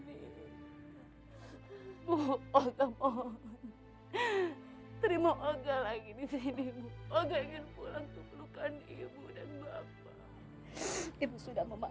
olga ingin pulang keperluan ibu dan bapak